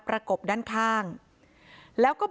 โปรดติดตามต่อไป